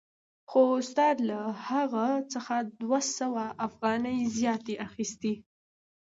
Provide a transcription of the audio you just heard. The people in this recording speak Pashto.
خو استاد له هغه څخه دوه سوه افغانۍ زیاتې اخیستې